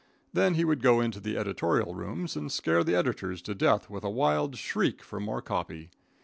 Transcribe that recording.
Then he would go into the editorial rooms and scare the editors to death with a wild shriek for more copy.